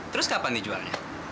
terus kapan dijualnya